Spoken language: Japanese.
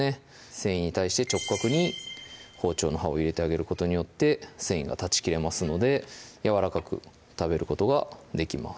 繊維に対して直角に包丁の刃を入れてあげることによって繊維が断ち切れますのでやわらかく食べることができます